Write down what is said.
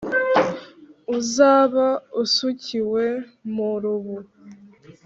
uzaba usukiwe mu rubu.